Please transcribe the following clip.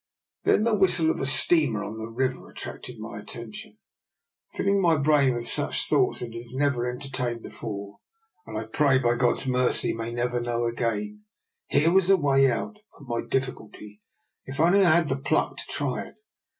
Then the whistle of a steamer on the river attracted my attention, filling my brain with such thoughts as it had never en tertained before, and I pray, by God's mercy, may never know again. Here was a way out of my difficulty, if only I had the pluck to try it.